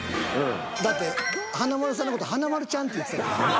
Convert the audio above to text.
だって華丸さんの事「華丸ちゃん」って言ってた。